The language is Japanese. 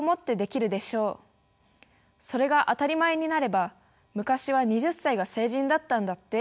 それが当たり前になれば「昔は２０歳が成人だったんだって」。